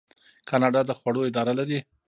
کاناډا د خوړو اداره لري.